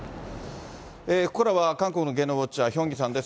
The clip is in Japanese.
ここからは、韓国の芸能ウォッチャー、ヒョンギさんです。